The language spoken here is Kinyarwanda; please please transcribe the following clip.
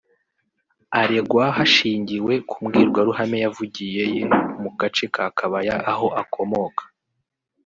Aregwa hashingiwe ku mbwirwaruhame yavugiyeye mu gace ka Kabaya aho akomoka